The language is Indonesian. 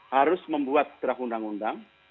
harus membuat draft undang undang